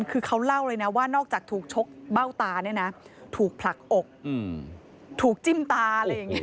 คือเขาเล่าเลยว่านอกจากถูกชกเบ้าตาถูกผลักอกถูกจิ้มตา